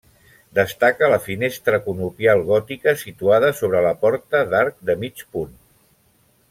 Destaca la finestra conopial gòtica situada sobre la porta d'arc de mig punt.